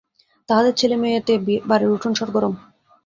তাহাদের ছেলেমেয়েতে বাড়ির উঠান সরগরম।